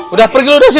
udah pergi lu udah sini